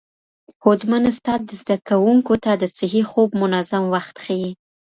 هوډمن استاد زده کوونکو ته د صحي خوب منظم وخت ښيي.